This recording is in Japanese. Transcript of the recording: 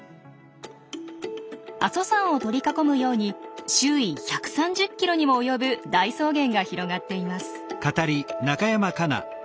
阿蘇山を取り囲むように周囲１３０キロにも及ぶ大草原が広がっています。